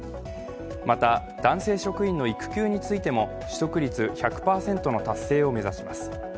また、男性職員の育休についても取得率１００％の達成を目指します。